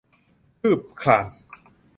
คืบคลาน